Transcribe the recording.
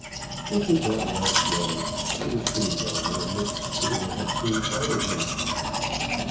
It did not last long. He was soon gone, and Miss Spooner had soon followed him.